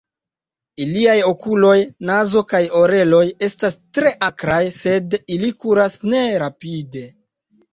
Iliaj okuloj, nazo kaj oreloj estas tre akraj, sed ili kuras ne rapide.